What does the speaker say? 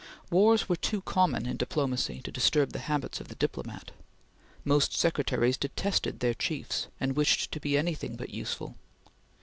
Wars were too common in diplomacy to disturb the habits of the diplomat. Most secretaries detested their chiefs, and wished to be anything but useful.